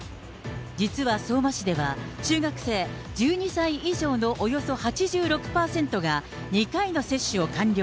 実は相馬市では、中学生、１２歳以上のおよそ８６％が、２回の接種を完了。